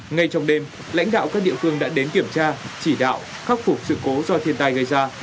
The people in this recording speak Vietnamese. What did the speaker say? ngay trong đêm lãnh đạo các địa phương đã đến kiểm tra chỉ đạo khắc phục sự cố do thiên tai gây ra